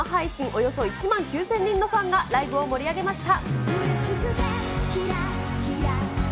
およそ１万９０００人のファンがライブを盛り上げました。